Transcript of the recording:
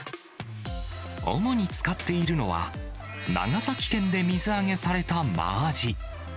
主に使っているのは、長崎県で水揚げされた真アジ。